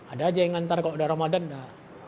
ada aja yang nantar kalau udah ramadan dah